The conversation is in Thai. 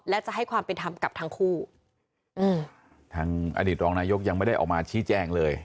และจะให้ความเป็นธรรมกับทั้งคู่อืมทางอดีตรองนายกยังไม่ได้ออกมาชี้แจงเลย